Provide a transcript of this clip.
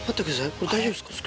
これ大丈夫ですか？